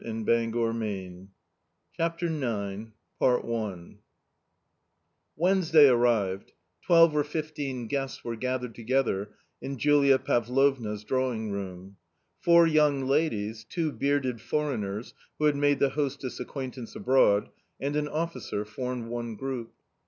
172 A COMMON STORY CHAPTER IX V Wednesday arrived. Twelve or fifteen guests were gathered together in Julia Paylovnaj s drawing room. Four young ladies, two bearded foreigners, who had made the hostess' acquaintance abroad, and an officer, formed one group.